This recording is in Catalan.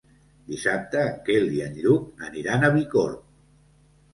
Dissabte en Quel i en Lluc aniran a Bicorb.